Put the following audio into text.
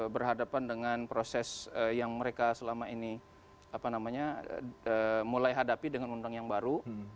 berhadapan dengan proses yang mereka selama ini mulai hadapi dengan undang yang baru